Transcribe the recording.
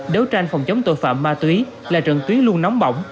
đấu tranh phòng chống tội phạm ma túy là trận tuyến luôn nóng bỏng